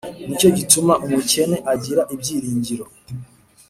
Ni cyo gituma umukene agira ibyiringiro